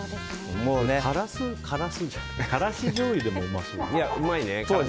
からしじょうゆでもうまそう。